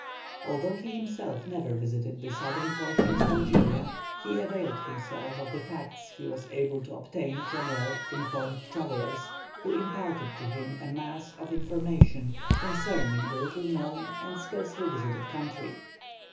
Although he himself never visited the southern portion of Algeria, he availed himself of the facts he was able to obtain from well informed travellers, who imparted to him a mass of information concerning the little known and scarcely visited country.